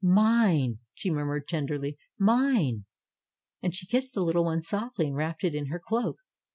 ^^Mine!" she murmured tenderly. "Mine!" And she kissed the little one softly and wrapped it in her cloak.